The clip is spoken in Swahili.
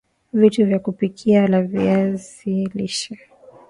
vitu vya kupikia la viazi lishe